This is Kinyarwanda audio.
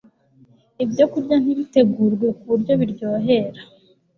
Ibyokurya nibitegurwe ku buryo biryohera